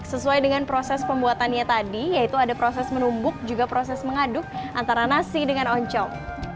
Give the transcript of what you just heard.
sesuai dengan proses pembuatannya tadi yaitu ada proses menumbuk juga proses mengaduk antara nasi dengan oncom